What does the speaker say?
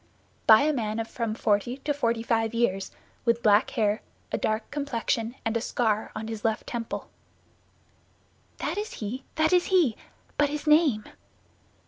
"By a man of from forty to forty five years, with black hair, a dark complexion, and a scar on his left temple." "That is he, that is he; but his name?"